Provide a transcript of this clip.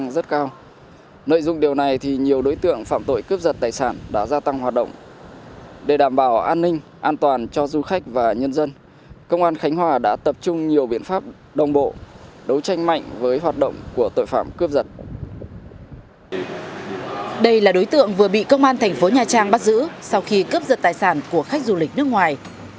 đây là đối tượng vừa bị công an thành phố nhà trang bắt giữ sau khi cướp giật tài sản của khách du lịch nước ngoài